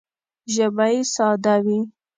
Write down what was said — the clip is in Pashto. ژبه یې ساده وي